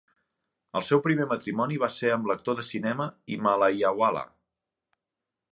El seu primer matrimoni va ser amb l'actor de cinema "Himalayawala".